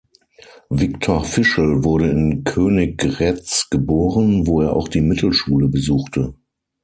Viktor Fischl wurde in Königgrätz geboren, wo er auch die Mittelschule besuchte.